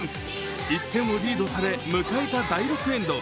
１点をリードされ迎えた第６エンド。